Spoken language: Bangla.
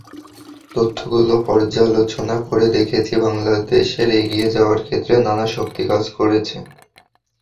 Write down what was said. তথ্যগুলো পর্যালোচনা করে দেখেছি, বাংলাদেশের এগিয়ে যাওয়ার ক্ষেত্রে নানা শক্তি কাজ করেছে।